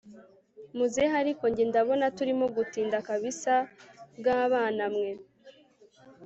muzehe ariko njye ndabona turimo gutinda kabsa mwabana mwe